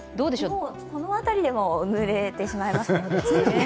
この辺りでも濡れてしまいますので。